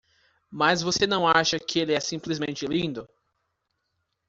Mas você não acha que ele é simplesmente lindo?